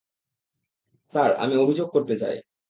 Sir, আমি অভিযোগ করতে চাই।